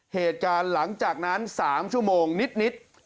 เหตุการณ์หลังจากนั้น๓ชั่วโมงนิด